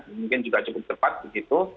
mungkin juga cukup cepat begitu